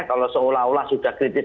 kalau seolah olah sudah kritis